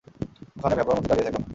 ওখানে ভ্যাবলার মতো দাঁড়িয়ে থেকো না!